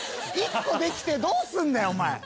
１個できてどうすんだよお前。